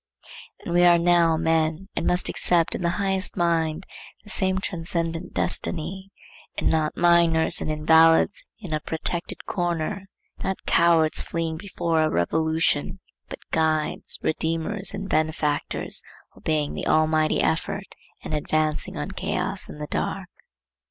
And we are now men, and must accept in the highest mind the same transcendent destiny; and not minors and invalids in a protected corner, not cowards fleeing before a revolution, but guides, redeemers and benefactors, obeying the Almighty effort and advancing on Chaos and the Dark.